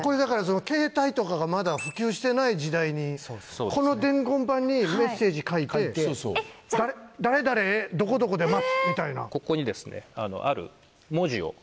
ケータイとかがまだ普及してない時代にこの伝言板にメッセージ書いて「誰々へどこどこで待つ」みたいな。